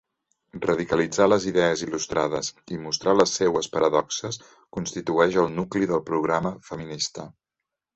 Radicalitzar les idees il·lustrades i mostrar les seues paradoxes constitueix el nucli del programa feminista.